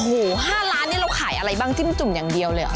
โอ้โห๕ล้านนี่เราขายอะไรบ้างจิ้มจุ่มอย่างเดียวเลยเหรอ